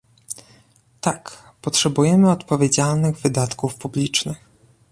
Tak, potrzebujemy odpowiedzialnych wydatków publicznych